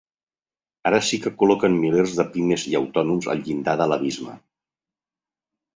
Ara sí que col·loquen milers de pimes i autònoms al llindar de l’abisme.